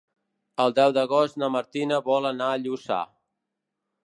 El deu d'agost na Martina vol anar a Lluçà.